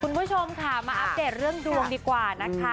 คุณผู้ชมค่ะมาอัปเดตเรื่องดวงดีกว่านะคะ